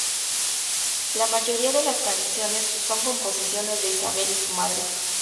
La mayoría de las canciones son composiciones de Isabel y su madre.